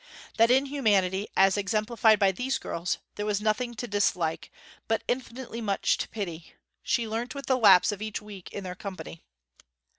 That in humanity, as exemplified by these girls, there was nothing to dislike, but infinitely much to pity, she learnt with the lapse of each week in their company.